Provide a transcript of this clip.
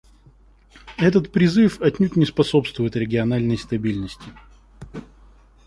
Этот призыв отнюдь не способствует региональной стабильности.